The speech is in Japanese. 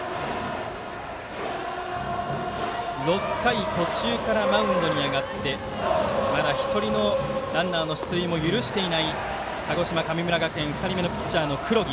６回途中からマウンドに上がってまだ１人のランナーの出塁も許していない鹿児島、神村学園２人目のピッチャー黒木。